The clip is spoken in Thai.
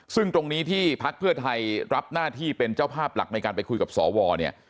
ซึ่งตรงนี้ที่พักเพื่อไทยรับหน้าที่เป็นเจ้าภาพหลักในการไปคุยกับสวเนี่ย